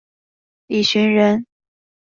李绚人。